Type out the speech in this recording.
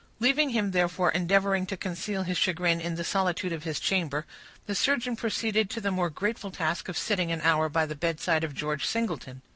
Leaving him, therefore, endeavoring to conceal his chagrin in the solitude of his chamber, the surgeon proceeded to the more grateful task of sitting an hour by the bedside of George Singleton.